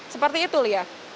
seperti itu lia